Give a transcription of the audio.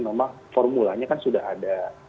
memang formulanya kan sudah ada